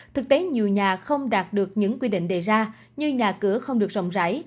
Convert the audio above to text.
thực tế nhiều nhà không đạt được những quy định đề ra như nhà cửa không được rộng rãi